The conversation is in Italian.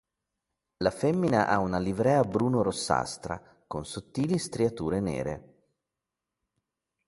La femmina ha una livrea bruno-rossastra, con sottili striature nere.